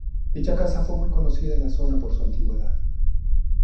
Dicha casa fue muy conocida en la zona por su antigüedad.